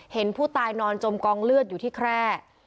เห็นผู้ตายนอนจมกองเลือดอยู่ที่แคร่